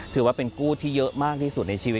ถือว่าเป็นกู้ที่เยอะมากที่สุดในชีวิต